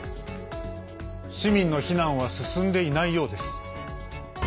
市民の避難は進んでいないようです。